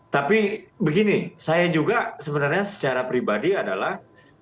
tapi begini saya juga sebenarnya secara pribadi adalah